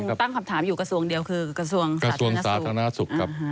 คือตั้งคำถามอยู่กระทรวงเดียวคือกระทรวงสาธารณสุขครับ